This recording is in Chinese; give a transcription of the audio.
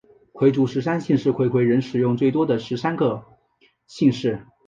回族十三姓是回回人使用最多的十三个姓氏。